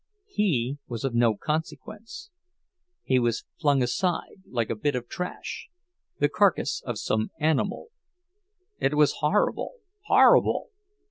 He was of no consequence—he was flung aside, like a bit of trash, the carcass of some animal. It was horrible, horrible!